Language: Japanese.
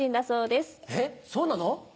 そうなの？